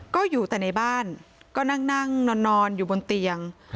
ก็อยู่แต่ในบ้านก็นั่งนอนอยู่บนเตียง